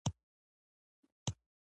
انار د سینې ناروغیو ته ګټور دی.